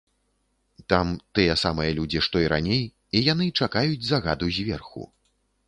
Там тыя самыя людзі, што і раней, і яны чакаюць загаду зверху.